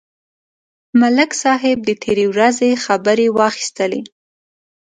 ملک صاحب د تېرې ورځې خبرې واخیستلې.